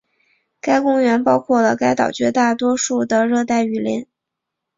该公园包括了该岛绝大多数的热带雨林。